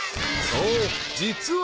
［そう］